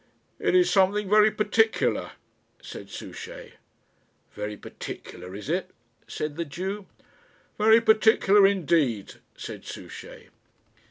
"It is something very particular," said Souchey. "Very particular is it?" said the Jew. "Very particular indeed." said Souchey.